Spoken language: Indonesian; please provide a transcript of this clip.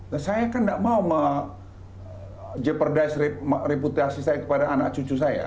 nah saya kan tidak mau jeopardize reputasi saya kepada anak cucu saya